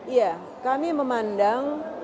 iya kami memandang